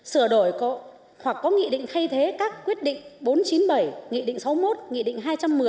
sửa đổi hoặc có nghị định thay thế các quyết định bốn trăm chín mươi bảy nghị định sáu mươi một nghị định hai trăm một mươi